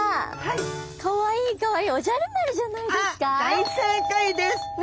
大正解です！